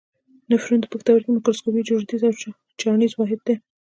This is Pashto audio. نفرون د پښتورګي میکروسکوپي جوړښتیز او چاڼیز واحد دی.